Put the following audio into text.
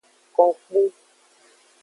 Konkpu.